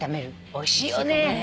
おいしいよね。